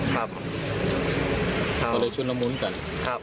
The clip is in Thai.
ต่อเลยชุดและมุ้นกัน